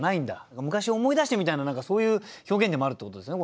昔を思い出してみたいな何かそういう表現でもあるってことですね。